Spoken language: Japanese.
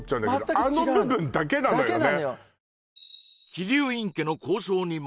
あの部分だけなのよね